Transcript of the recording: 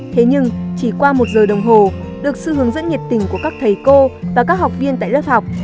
thế nhưng chỉ qua một giờ đồng hồ được sự hướng dẫn nhiệt tình của các thầy cô và các học viên tại lớp học